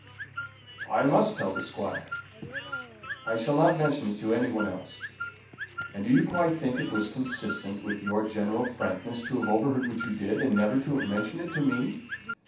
"I must tell the Squire. I shall not mention it to any one else. And do you quite think it was consistent with your general frankness to have overheard what you did, and never to have mentioned it to me?